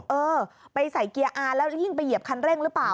เออไปใส่เกียร์อาร์แล้วยิ่งไปเหยียบคันเร่งหรือเปล่า